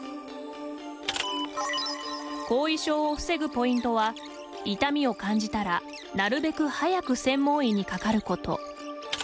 後遺症を防ぐポイントは痛みを感じたらなるべく早く専門医にかかること。